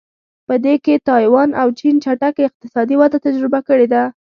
په دې کې تایوان او چین چټکه اقتصادي وده تجربه کړې ده.